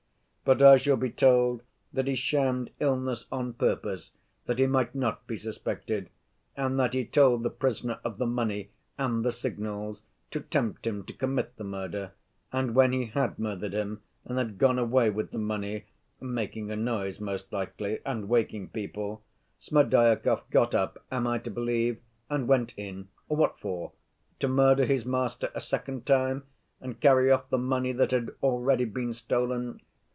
"But I shall be told that he shammed illness on purpose that he might not be suspected and that he told the prisoner of the money and the signals to tempt him to commit the murder, and when he had murdered him and had gone away with the money, making a noise, most likely, and waking people, Smerdyakov got up, am I to believe, and went in—what for? To murder his master a second time and carry off the money that had already been stolen?